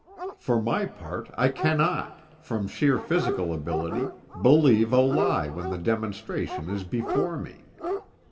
For my part I cannot, from sheer physical inability, believe a lie when the demonstration is before me.